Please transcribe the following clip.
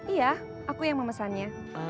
iya aku yang memesannya